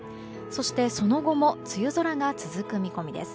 そしてその後も梅雨空が続く見込みです。